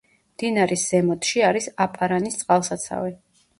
მდინარის ზემოთში არის აპარანის წყალსაცავი.